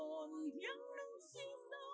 yêu vọng hồn nhắc nức xinh đó